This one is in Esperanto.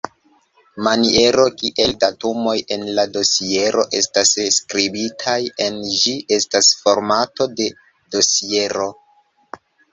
Maniero kiel datumoj en la dosiero estas skribitaj en ĝi estas formato de dosiero.